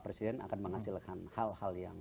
presiden akan menghasilkan hal hal yang